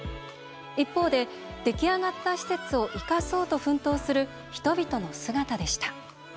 一方で出来上がった施設を生かそうと奮闘する人々の姿でした。